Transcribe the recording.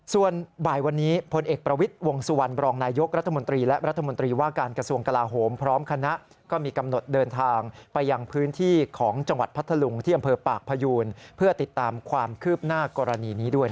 ส่วนบ่ายวันนี้พลเอกประวิทย์วงศุวรรณ